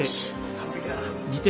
完璧だな。